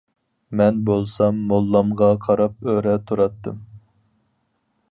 مەن بولسام موللامغا قاراپ ئۆرە تۇراتتىم.